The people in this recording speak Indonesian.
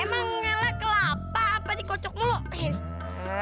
emang ngalah kelapa apa dikocok mulu